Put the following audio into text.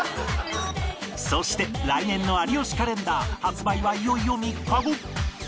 そして来年の有吉カレンダー発売はいよいよ３日後